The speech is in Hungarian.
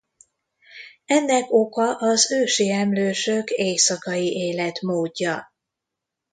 Ennek oka az ősi emlősök éjszakai életmódja.